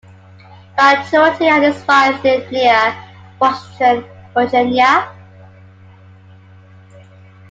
Pat Choate and his wife live near Washington, Virginia.